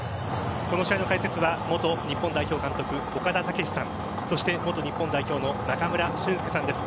この試合の解説は元日本代表監督岡田武史さんそして元日本代表の中村俊輔さんです。